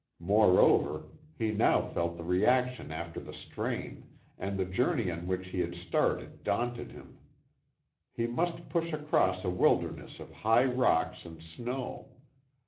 Moreover, he now felt the reaction after the strain, and the journey on which he had started daunted him. He must push across a wilderness of high rocks and snow.